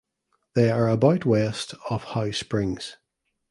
They are about west of Hough Springs.